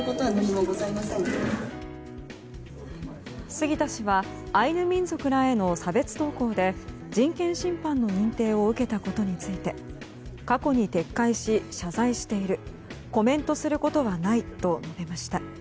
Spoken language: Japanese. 杉田氏はアイヌ民族らへの差別投稿で人権侵犯の認定を受けたことについて過去に撤回し謝罪しているコメントすることはないと述べました。